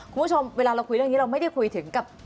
คุณผู้ชมเวลาเราคุยเรื่องนี้เราไม่ได้คุยถึงกับ